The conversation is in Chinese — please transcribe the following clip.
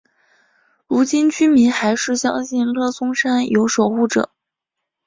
如今居民还是相信乐松山有守护者。